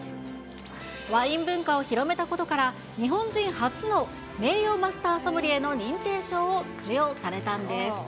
ワイン文化を広めたことから、日本人初の名誉マスター・ソムリエの認定証を授与されたんです。